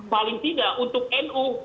paling tidak untuk nu